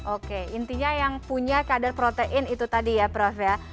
oke intinya yang punya kadar protein itu tadi ya prof ya